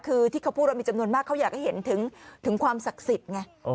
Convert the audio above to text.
คือที่เขาพูดว่ามีจำนวนมากเขาอยากให้เห็นถึงความศักดิ์สิทธิ์ไง